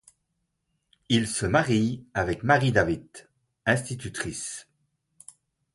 Il se marie avec Marie David, institutrice.